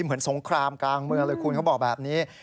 เหมือนสงครามกลางเมืองเลยคุณเขาบอกแบบนี้